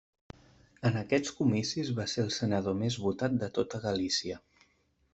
En aquests comicis va ser el senador més votat de tota Galícia.